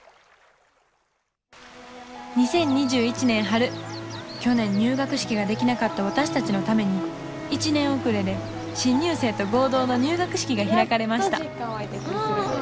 ２０２１年春去年入学式ができなかった私たちのために１年遅れで新入生と合同の入学式が開かれました